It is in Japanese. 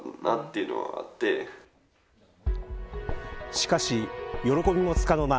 しかし、喜びも、つかの間。